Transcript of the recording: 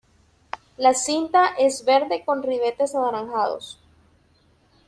La cinta es verde con ribetes anaranjados.